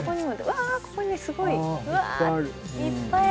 うわここにすごい。